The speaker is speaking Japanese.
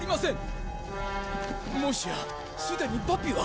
もしやすでにパピは！